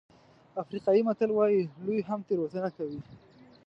افریقایي متل وایي لوی هم تېروتنه کوي.